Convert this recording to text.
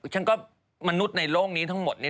ฉันก็มนุษย์ในโลกนี้ทั้งหมดนี้